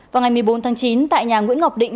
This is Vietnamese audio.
vào ngày một mươi bốn tháng chín tại nhà nguyễn ngọc định